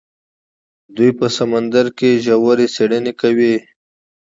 دوی په سمندر کې ژورې څیړنې کوي.